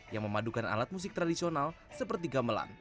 yang memadukan alat musik tradisional seperti gamelan